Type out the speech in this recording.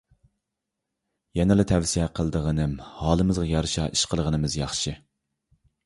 يەنىلا تەۋسىيە قىلىدىغىنىم، ھالىمىزغا يارىشا ئىش قىلغىنىمىز ياخشى.